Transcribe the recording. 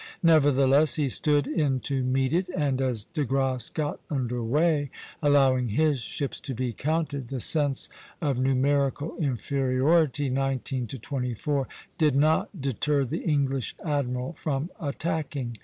Nevertheless, he stood in to meet it, and as De Grasse got under way, allowing his ships to be counted, the sense of numerical inferiority nineteen to twenty four did not deter the English admiral from attacking.